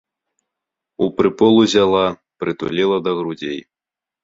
У прыпол узяла, прытуліла да грудзей.